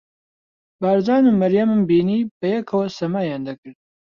بارزان و مەریەمم بینی بەیەکەوە سەمایان دەکرد.